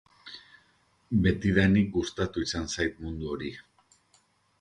Betidanik gustatu izan zait mundu hori.